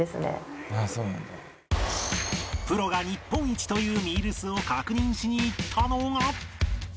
プロが日本一というミールスを確認しに行ったのが